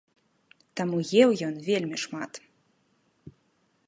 Таму еў ён вельмі шмат.